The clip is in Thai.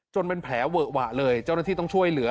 เป็นแผลเวอะหวะเลยเจ้าหน้าที่ต้องช่วยเหลือ